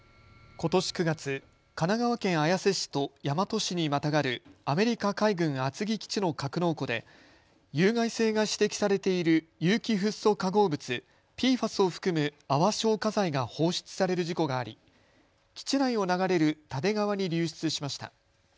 ことし９月、神奈川県綾瀬市と大和市にまたがるアメリカ海軍厚木基地の格納庫で有害性が指摘されている有機フッ素化合物、ＰＦＡＳを含む泡消火剤が放出される事故があり基地内を流れる蓼川に流出しました。